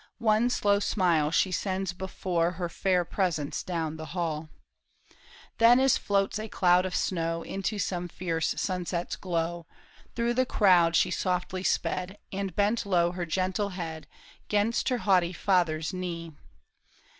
One slow smile she sends before Her /air presence, down the hall. 20 THE TOWER OF BO UV ERIE. Then as floats a cloud of snow Into some fierce sunset's glow, Through the crowd she softly sped, And bent low her gentle head 'Gainst her haughty father's knee.